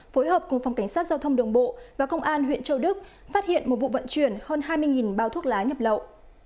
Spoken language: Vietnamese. phối hợp cùng phòng cảnh sát giao thông đường bộ và công an huyện châu đức phát hiện một vụ vận chuyển hơn hai mươi bao thuốc lá nhập lậu